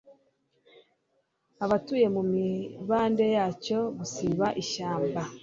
abatuye mu mibande yacyo gusiba ishyamba